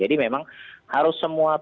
jadi memang harus semua pihak